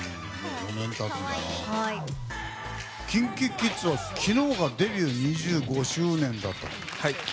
ＫｉｎＫｉＫｉｄｓは昨日がデビュー２５周年だったの？